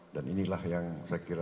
dan inilah yang saya kira